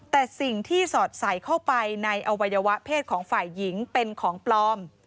แต่สิ่งที่สอดใส่เข้าไปในอวัยวะเพศของฝ่ายหญิงเป็นของปลอม